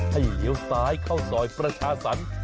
เลี้ยวซ้ายเข้าซอยประชาสรรค์